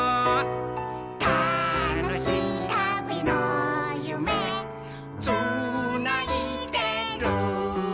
「たのしいたびのゆめつないでる」